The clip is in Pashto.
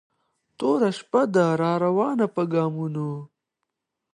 توره شپه ده را روانه په ګامونو